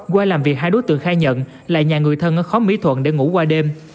qua làm việc hai đối tượng khai nhận lại nhà người thân ở khóm mỹ thuận để ngủ qua đêm